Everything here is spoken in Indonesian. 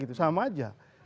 ini sama saja